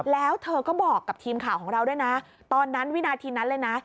แล้วเธอก็บอกกับทีมข่าวของเราด้วยนะตอนนั้นวินาทีนั้นเลยนะ